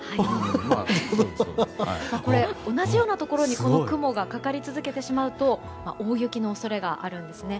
同じようなところにこの雲がかかり続けてしまうと大雪の恐れがあるんですね。